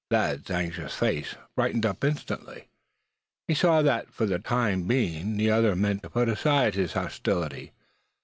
Thad's anxious face brightened up instantly; he saw that for the time being the other meant to put aside his hostility.